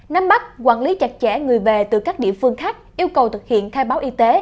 nắm bắt quản lý chặt chẽ người về từ các địa phương khác yêu cầu thực hiện khai báo y tế